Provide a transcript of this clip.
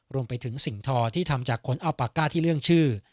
รวมไปถึงสิ่งทอที่ทำจากคนเอาปากก้าที่เรื่องชื่อ